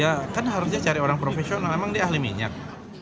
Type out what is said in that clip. ya kan harusnya cari orang profesional emang dia ahli minyak